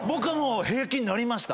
平気になりました。